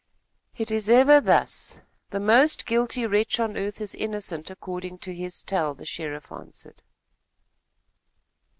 "It is ever thus. The most guilty wretch on earth is innocent according to his tell," the sheriff answered.